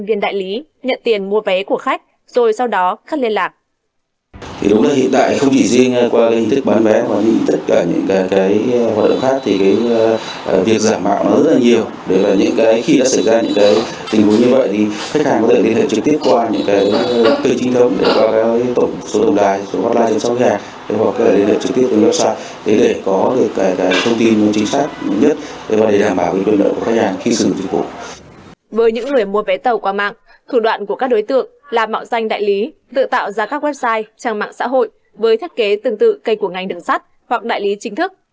với những người mua vé tàu qua mạng thủ đoạn của các đối tượng là mạo danh đại lý tự tạo ra các website trang mạng xã hội với thách kế tương tự kênh của ngành đường sắt hoặc đại lý chính thức